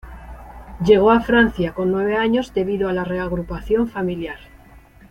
Llegó a Francia con nueve años debido a la reagrupación familiar.